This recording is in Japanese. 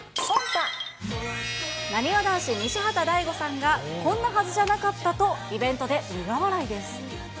なにわ男子・西畑大吾さんが、こんなはずじゃなかったとイベントで苦笑いです。